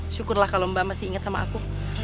syukurlah kalau mbak masih ingat sama aku